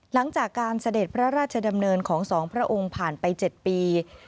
หลังจากการเสด็จพระราชดำเนินของสองพระองค์ผ่านไป๗ปี